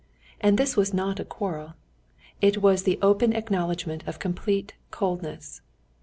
And this was not a quarrel. It was the open acknowledgment of complete coldness.